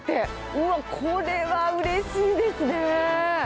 うわっ、これはうれしいですね。